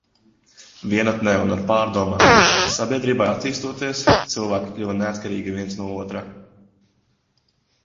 Vienatnē un ar pārdomām. Sabiedrībai attīstoties, cilvēki kļuva neatkarīgi viens no otrā.